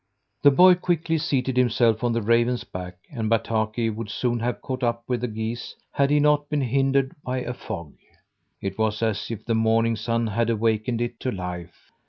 The boy quickly seated himself on the raven's back and Bataki would soon have caught up with the geese had he not been hindered by a fog. It was as if the morning sun had awakened it to life.